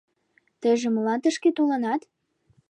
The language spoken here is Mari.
Тыйже молан тышке толынат?